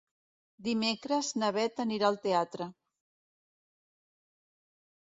Dimecres na Beth anirà al teatre.